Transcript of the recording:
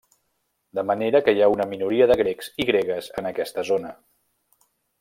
De manera que hi ha una minoria de grecs i gregues en aquesta zona.